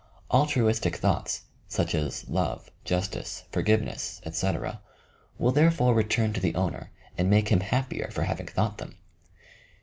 Altruistic thoughts, such as " love, justice, forgiveness," et c., will therefore return to the owner, and make him happier for having thought them.